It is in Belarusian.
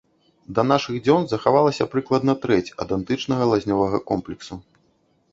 Да нашых дзён захавалася прыкладна трэць ад антычнага лазневага комплексу.